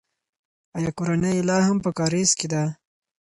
آیا کورنۍ یې لا هم په کارېز کې ده؟